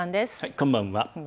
こんばんは。